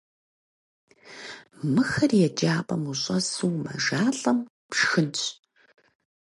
Мыхэр еджапӀэм ущӀэсу умэжалӀэм, пшхынщ.